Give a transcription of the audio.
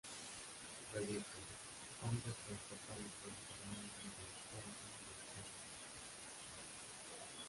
Proyecto: Hongos transportados por las tormentas del polvo del Sahara.